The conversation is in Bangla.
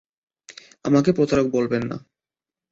আমাকে প্রতারক বলবে না।